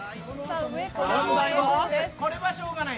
これはしょうがない。